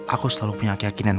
aku selalu punya keyakinan